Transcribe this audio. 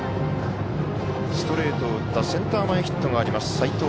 ストレートを打ったセンター前ヒットもある齋藤